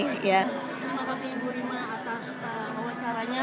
terima kasih ibu rima atas wawancaranya